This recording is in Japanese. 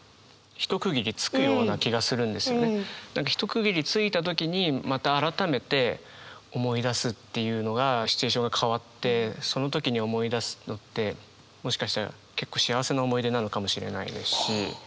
一区切りついた時にまた改めて思い出すっていうのがシチュエーションが変わってその時に思い出すのってもしかしたら結構幸せな思い出なのかもしれないですし。